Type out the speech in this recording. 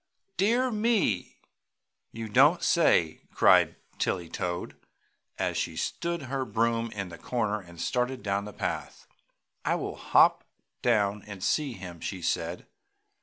"Dear me! You don't say so!" cried Tilly Toad, as she stood her broom in the corner and started down the path. "I will hop down and see him!" she said.